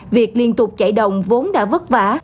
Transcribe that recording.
việc liên tục chạy đồng vốn đã vất vả